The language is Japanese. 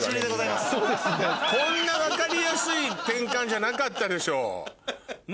こんな分かりやすい転換じゃなかったでしょう。